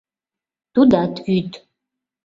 Тудат вӱд.